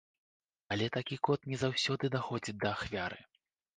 Але такі код не заўсёды даходзіць да ахвяры.